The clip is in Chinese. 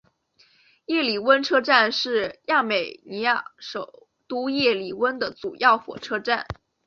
叶里温车站是亚美尼亚首都叶里温的主要火车站。